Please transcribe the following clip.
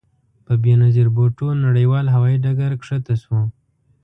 په بې نظیر بوټو نړیوال هوايي ډګر کښته شوو.